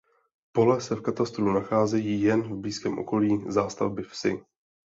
Pole se v katastru nacházejí jen v blízkém okolí zástavby vsi.